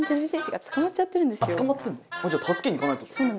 じゃあ助けに行かないとじゃん。